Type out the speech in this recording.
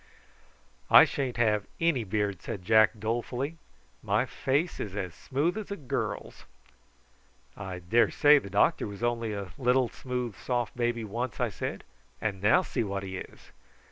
"I sha'n't never have any beard," said Jack, dolefully; "my face is as smooth as a girl's!" "I daresay the doctor was only a little smooth soft baby once," I said; "and now see what he is."